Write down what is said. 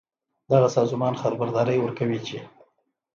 دغه سازمان خبرداری ورکوي چې